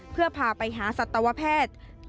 เพื่อพาไปหาสัตวแพทย์